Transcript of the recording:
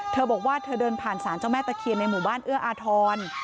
เธอบอกว่าเธอเดินผ่านศาลเจ้าแม่ตะเคียนในหมู่บ้านเอื้ออาทร